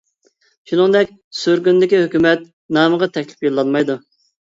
شۇنىڭدەك سۈرگۈندىكى ھۆكۈمەت نامىغا تەكلىپ يوللانمايدۇ.